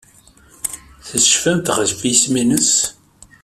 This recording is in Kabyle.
Tecfamt ɣef yisem-nnes?